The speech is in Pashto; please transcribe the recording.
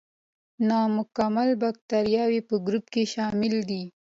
د نامکمل باکتریاوو په ګروپ کې شامل دي.